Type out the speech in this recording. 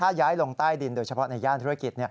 ถ้าย้ายลงใต้ดินโดยเฉพาะในย่านธุรกิจ